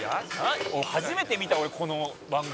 「初めて見た俺この番組。